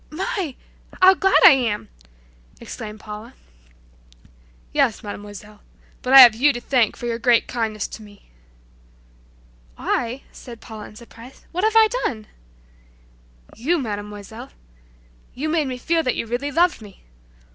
"My! How glad I am!" exclaimed Paula. "Yes, Mademoiselle, but I have you to thank for your great kindness to me." "I," said Paula surprised; "why what have I done?" "You, Mademoiselle! You made me feel that you really loved me.